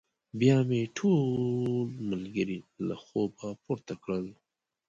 بيا مې ټول ملګري له خوبه پورته کړل.